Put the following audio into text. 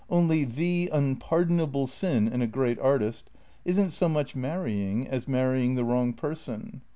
Only, the unpardon able sin in a great artist — is n't so much marrying as marrying the wrong person."